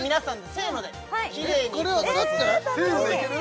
せーのでいける？